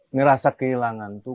merasa kehilangan itu